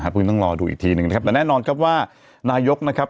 พึ่งต้องรอดูอีกทีหนึ่งนะครับแต่แน่นอนครับว่านายกนะครับ